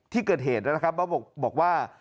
ที่เกิดเหตุนะครับบอกว่า